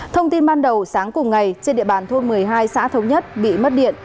thông tin ban đầu sáng cùng ngày trên địa bàn thôn một mươi hai xã thống nhất bị mất điện